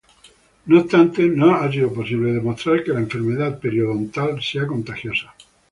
No obstante, no ha sido posible demostrar que la enfermedad periodontal sea contagiosa.